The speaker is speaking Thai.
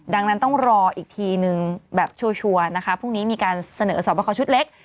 ดังนั้นต้องรออีกทีนึงแบบชัวร์นะคะพรุ่งนี้มีการเสนอสอบประคอชุดเล็ก